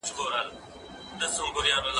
زه له سهاره د زده کړو تمرين کوم.